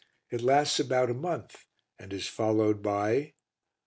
It lasts about a month and is followed by I.